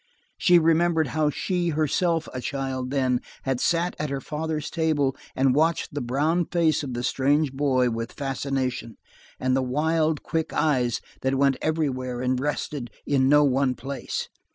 She remembered how she, herself a child then, had sat at her father's table and watched the brown face of the strange boy with fascination, and the wild, quick eyes which went everywhere and rested in no one place.